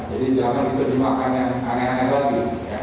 jadi jangan dimakan aneh aneh lagi